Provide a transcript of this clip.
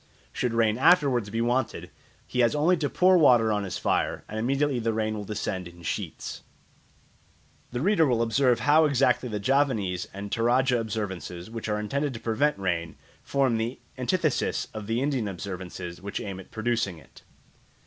Should rain afterwards be wanted, he has only to pour water on his fire, and immediately the rain will descend in sheets. The reader will observe how exactly the Javanese and Toradja observances, which are intended to prevent rain, form the antithesis of the Indian observances, which aim at producing it.